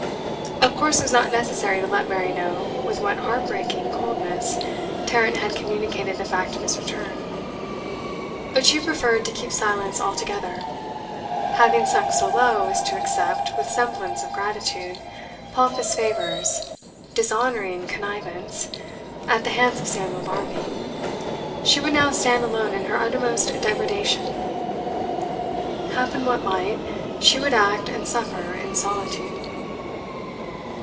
Of course it was not necessary to let Mary know with what heart breaking coldness Tarrant had communicated the fact of his return; but she preferred to keep silence altogether. Having sunk so low as to accept, with semblance of gratitude, pompous favours, dishonouring connivance, at the hands of Samuel Barmby, she would now stand alone in her uttermost degradation. Happen what might, she would act and suffer in solitude.